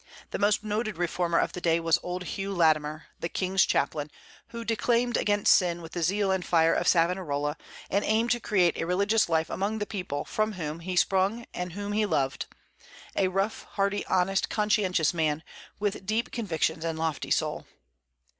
The most noted reformer of the day was old Hugh Latimer, the King's chaplain, who declaimed against sin with the zeal and fire of Savonarola, and aimed to create a religious life among the people, from whom, he sprung and whom he loved, a rough, hearty, honest, conscientious man, with deep convictions and lofty soul.